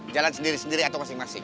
jalan sendiri sendiri atau masing masing